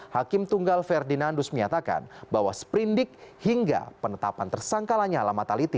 hakim tunggal ferdinandus menyatakan bahwa sprindik hingga penetapan tersangka lanyala mataliti